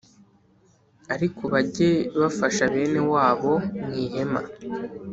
Ariko bajye bafasha bene wabo mu ihema